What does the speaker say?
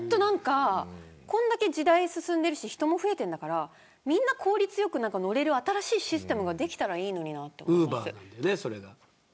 これだけ時代が進んでるし人も増えてるんだからみんな効率よく乗れる新しいシステムができたらいいなと思うんです。